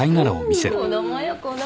子供よ子供。